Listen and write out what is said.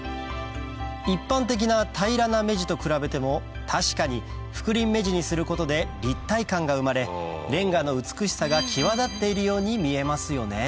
一般的な平らな目地と比べても確かに覆輪目地にすることで立体感が生まれれんがの美しさが際立っているように見えますよね